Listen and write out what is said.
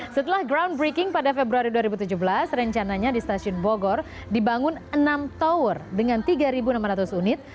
setelah groundbreaking pada februari dua ribu tujuh belas rencananya di stasiun bogor dibangun enam tower dengan tiga enam ratus unit